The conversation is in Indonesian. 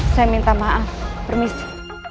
saya minta maaf permisi